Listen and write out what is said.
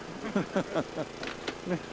ハハハねっ。